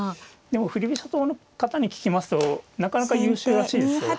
でも振り飛車党の方に聞きますとなかなか優秀らしいですよ。